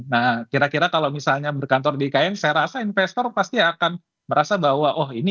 nah kira kira kalau misalnya berkantor di ikn saya rasa investor pasti akan merasa bahwa oh ini